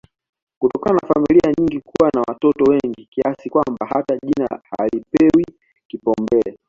kutokana na familia nyingi kuwa na wototo wengi kiasi kwamba hata jina halipewi kipaumbele